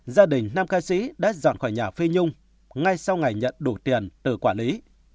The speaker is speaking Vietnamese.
gia đình nam ca sĩ đã dọn khỏi nhà phê nhung ngay sau ngày nhận đủ tiền từ quản lý